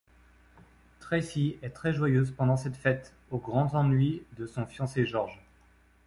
Tracy est très joyeuse pendant cette fête, au grand ennui de son fiancé George.